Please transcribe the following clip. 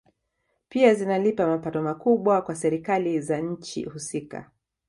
Pia zinalipa mapato makubwa kwa Serikali za nchi husika